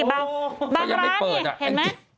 บางร้านเนี่ยเห็นไหม